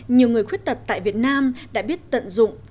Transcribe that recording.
nhiều người khuyết tật tại việt nam đã biết tận dụng